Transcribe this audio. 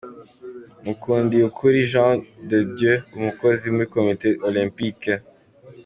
Mukundiyukuri Jean de Dieu umukozi muri komite Olempike .